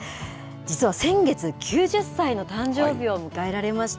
実は先月９０歳の誕生日を迎えられました。